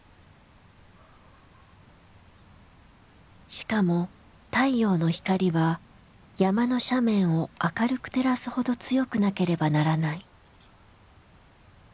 しかも太陽の光は山の斜面を明るく照らすほど強くなければならない。